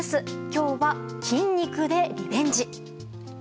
今日は筋肉でリベンジ。